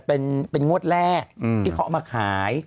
เป็นงวดแรกที่เขาเอามาขาย